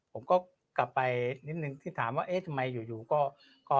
ผมก็กลับไปนิดนึงที่ถามว่าเอ๊ะทำไมอยู่ก็